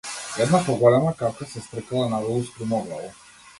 Една поголема капка се стркала надолу струмоглаво.